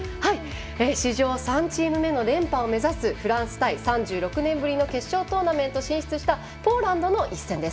史上３チーム目の連覇を目指すフランス対３６年ぶりに決勝トーナメントに進出したポーランドの一戦です。